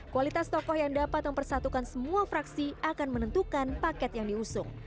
kualitas tokoh yang dapat mempersatukan semua fraksi akan menentukan paket yang diusung